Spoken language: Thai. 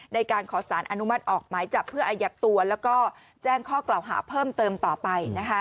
ในการขอสารอนุมัติออกหมายจับเพื่ออายัดตัวแล้วก็แจ้งข้อกล่าวหาเพิ่มเติมต่อไป